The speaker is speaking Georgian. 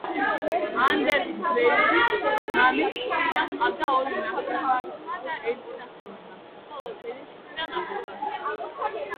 ანდერს ბრეივიკს, მამის მხრიდან, ჰყავს ორი ნახევარძმა და ერთი ნახევარდა, ხოლო დედის მხრიდან ნახევარდა.